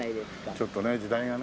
ちょっとね時代がね。